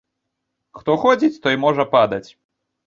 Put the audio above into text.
Хто ходзіць, той можа падаць.